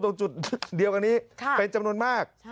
ตรงจุดเดียวกันนี้เป็นจำนวนมาก